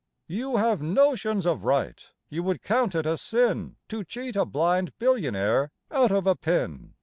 You have notions of right. You would count it a sin To cheat a blind billionaire out of a pin.